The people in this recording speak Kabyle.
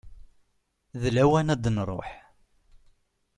D lawan ad nruḥ.